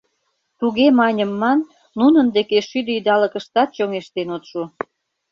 Туге маньым ман, нунын деке шӱдӧ идалыкыштат чоҥештен от шу.